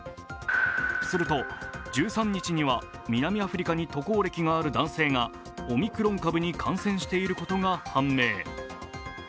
すると、１３日には南アフリカに渡航歴のある男性がオミクロン株に感染していることが判明。